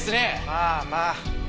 まあまあ。